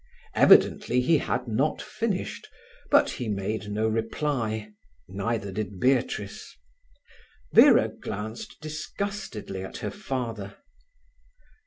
Evidently he had not finished, but he made no reply, neither did Beatrice. Vera glanced disgustedly at her father.